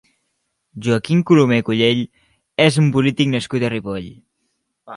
Joaquim Colomer Cullell és un polític nascut a Ripoll.